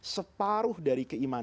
separuh dari keistimewaan